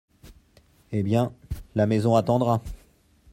Eh bien, la maison attendra !